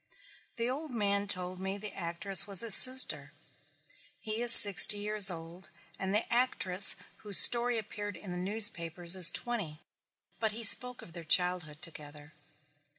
The old man told me the actress was his sister. He is sixty years old and the actress whose story appeared in the newspapers is twenty, but he spoke of their childhood together.